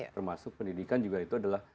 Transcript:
termasuk pendidikan juga itu adalah